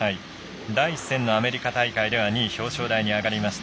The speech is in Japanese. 第１戦のアメリカ大会では２位、表彰台に上がりました。